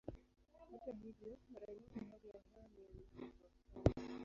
Hata hivyo, mara nyingi hali ya hewa ni ya maana, kwa mfano.